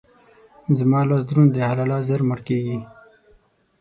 زما لاس دروند دی؛ حلاله ژر مړه کېږي.